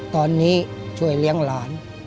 ตอนนี้ช่วยเลี้ยงหลาน